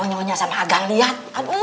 kau nyonya sama adang liat